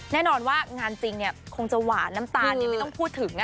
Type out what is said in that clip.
แน่นอนว่างานจริงเนี่ยคงจะหวานน้ำตาลเนี่ยไม่ต้องพูดถึง